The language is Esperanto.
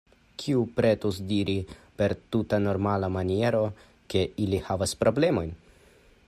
Kiu pretus diri, per tuta normala maniero, ke ili havas problemojn?